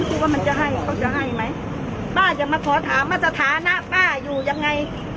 คิดว่ามันจะให้เขาจะให้ไหมป้าจะมาขอถามว่าสถานะป้าอยู่ยังไง